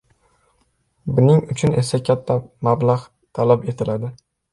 Buning uchun esa katta mablagʻ talab etiladi.